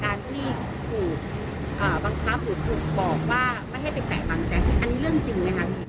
เกิดจากการที่บังคับหรือถูกบอกว่าไม่ให้ไปแคลร์บางแจ็คอันนี้เรื่องจริงไหมคะ